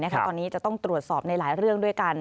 ตอนนี้จะต้องตรวจสอบในหลายเรื่องด้วยกัน